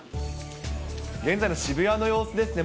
現在の渋谷の様子ですね。